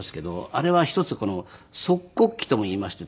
あれは一つ卒哭忌ともいいまして。